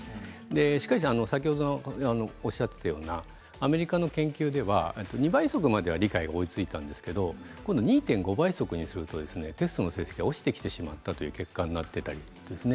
しかし先ほどおっしゃっていたようなアメリカの研究では２倍速までは理解が追いついたんですけれど今度、２．５倍速にするとテストの成績が落ちてきてしまったっていう結果になるんですね。